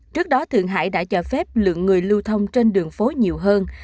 trước đó thượng hải đã cho phép lượng người lưu thông trên đường phố nhiều hơn